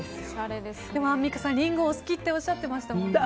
アンミカさん、リンゴお好きっておっしゃってましたもんね。